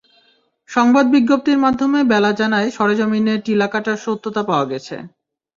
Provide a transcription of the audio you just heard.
সংবাদ বিজ্ঞপ্তির মাধ্যমে বেলা জানায়, সরেজমিননে টিলা কাটার সত্যতা পাওয়া গেছে।